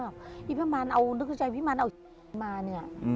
พี่มานเอานึกใจพี่มานเอามาเนี่ย